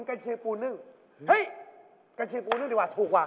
การเชียร์ปูนึกดีกว่าถูกว่า